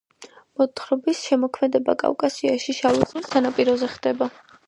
მოთხრობის მოქმედება კავკასიაში, შავი ზღვის სანაპიროზე ხდება.